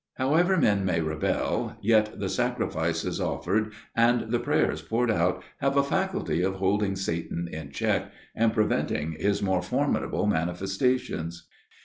However men may rebel, yet the sacrifices offered and the prayers poured out have a faculty of holding Satan in check, and preventing his more formid able manifestations.